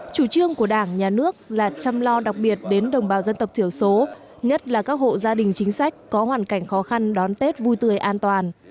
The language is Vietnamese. chủ trương của đảng nhà nước là chăm lo đặc biệt đến đồng bào dân tộc thiểu số nhất là các hộ gia đình chính sách có hoàn cảnh khó khăn đón tết vui tươi an toàn